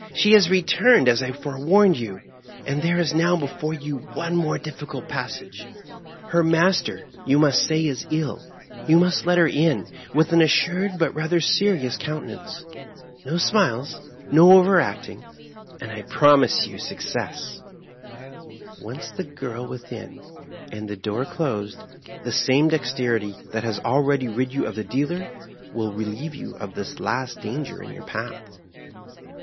"She has returned, as I forewarned you, and there is now before you one more difficult passage. Her master, you must say, is ill ; you must let her in, with an assured but rather serious coun tenance — ^no smiles, no overacting, and I promise you success 1 Once the girl within, and the door closed, the same dexterity that has already rid you of the dealer will relieve you of this last danger in your path.